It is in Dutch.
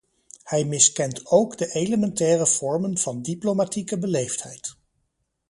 Hij miskent ook de elementaire vormen van diplomatieke beleefdheid.